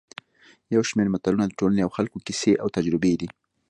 یو شمېر متلونه د ټولنې او خلکو کیسې او تجربې دي